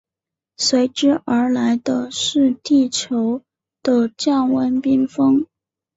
随之而来的是地球的降温冰封。